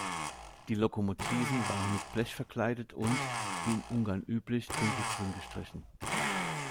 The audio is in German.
Die Lokomotiven waren mit Blech verkleidet und, wie in Ungarn üblich, dunkelgrün gestrichen.